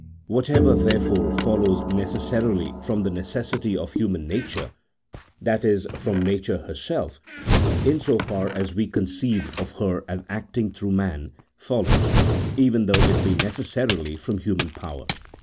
Whatever, therefore, follows necessarily from the necessity of human nature (that is, from nature herself, in so far as we conceive of her as acting through man) follows, even though it be neces sarily, from human power.